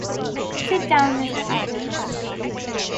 Sit down, Mr. Adams.